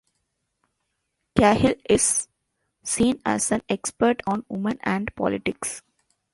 Cahill is seen as an expert on women and politics.